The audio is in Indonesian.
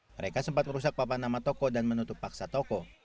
mereka sempat merusak papan nama toko dan menutup paksa toko